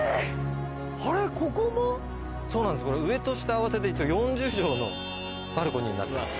上と下合わせて４０帖のバルコニーになってます。